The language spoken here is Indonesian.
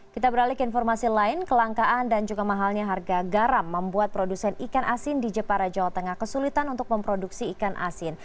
kita beralih ke informasi lain kelangkaan dan juga mahalnya harga garam membuat produsen ikan asin di jepara jawa tengah kesulitan untuk memproduksi ikan asin